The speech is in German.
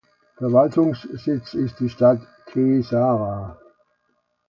Verwaltungssitz ist die Stadt Keesara.